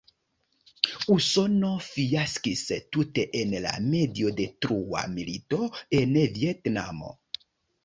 Usono fiaskis tute en la mediodetrua milito en Vjetnamio.